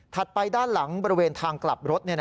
ไปด้านหลังบริเวณทางกลับรถ